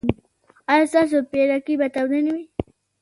ایا ستاسو پیرکي به تاوده نه وي؟